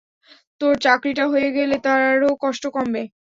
তোর চাকরিটা হয়ে গেলে তারও কষ্ট কমবে।